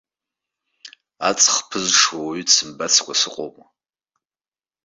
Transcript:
Аҵх ԥызҽуа ауаҩы дсымбацкәа сыҟоума.